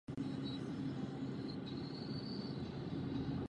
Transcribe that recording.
Nejslavnější vojenská výprava proti římské říši však měla teprve proběhnout.